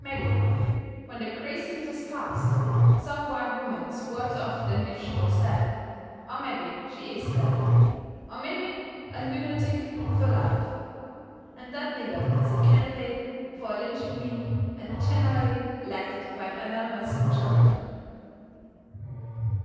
Mebby, when the crazy fit has passed, some white woman is worse off than if she was dead, or mebby she IS dead, or mebby a loonatic fur life, and that nigger is a candidate fur a lynching bee and ginerally elected by an anonymous majority.